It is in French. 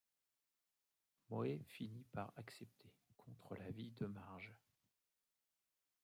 Moe finit par accepter, contre l'avis de Marge.